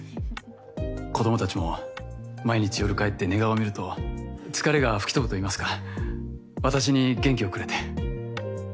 子供たちも毎日夜帰って寝顔を見ると疲れが吹き飛ぶといいますか私に元気をくれて。